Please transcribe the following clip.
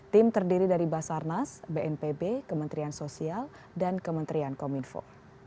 tim terdiri dari basarnas bnpb kementerian sosial dan kementerian kominfo